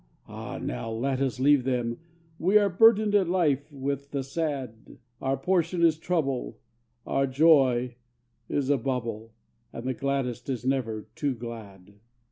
Ah, now let us leave them We are burdened in life with the sad; Our portion is trouble, our joy is a bubble, And the gladdest is never too glad.